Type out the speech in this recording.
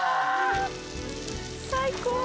「最高！」